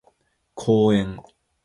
公園